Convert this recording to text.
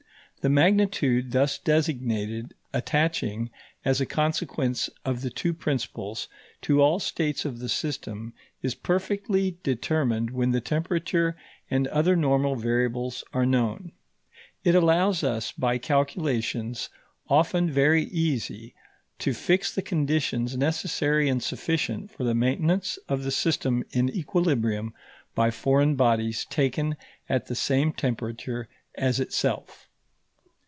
The magnitude thus designated, attaching, as a consequence of the two principles, to all states of the system, is perfectly determined when the temperature and other normal variables are known. It allows us, by calculations often very easy, to fix the conditions necessary and sufficient for the maintenance of the system in equilibrium by foreign bodies taken at the same temperature as itself.